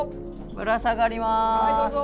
ぶら下がります。